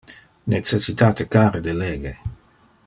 Necessitate care de lege.